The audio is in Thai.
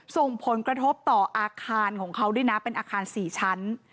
ส่งผลกระทบต่ออาคารของเขาด้วยนะเป็นอาคาร๔ชั้น